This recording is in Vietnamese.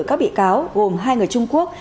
các bị cáo gồm hai người trung quốc